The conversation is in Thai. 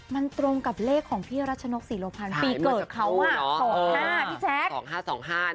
มันตรงกับเลขของพี่รัชนกศรีโรพันธ์ปีเกิดเขา๒๕พี่แจ๊ค